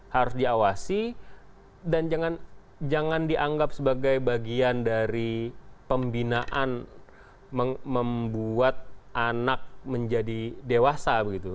harus diawasi dan jangan dianggap sebagai bagian dari pembinaan membuat anak menjadi dewasa begitu